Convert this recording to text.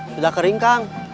sudah kering kang